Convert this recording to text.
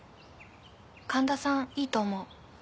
神田さんいいと思う。